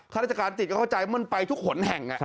ข้าราชการติดก็เข้าใจมันไปทุกหนแห่ง